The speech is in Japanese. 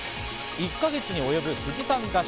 １か月に及ぶ富士山合宿。